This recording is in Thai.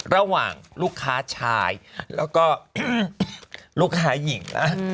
ระหว่างลูกค้าชายแล้วก็ลูกค้าหญิง